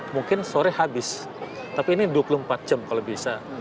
mungkin sore habis tapi ini dua puluh empat jam kalau bisa